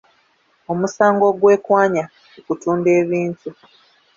Omusango ogwekwanya ku kutunda ebintu.